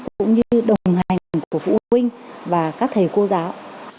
cũng như đồng hành của phụ huynh và các thầy cô giáo